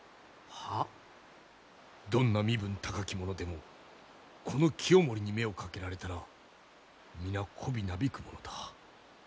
どんな身分高き者でもこの清盛に目をかけられたら皆こびなびくものだ。